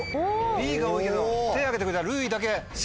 Ｂが多いけど手を挙げてくれたるういだけＣ。